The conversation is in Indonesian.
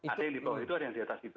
artinya di bawah itu ada yang di atas itu